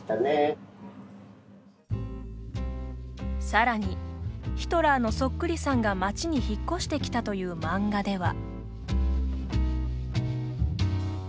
さらにヒトラーのそっくりさんが町に引っ越してきたという漫画では。